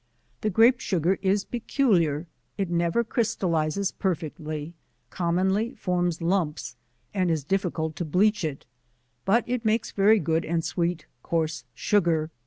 The Grape Sugar is peculiar, it never crystallizes per fectly, commonly forms lumps, and it is difficult to bleach it 5 but it makes very good and sweet coarse sugar.